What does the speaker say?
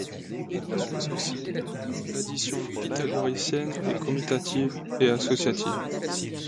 L'opération associée, l'addition pythagoricienne, est commutative et associative.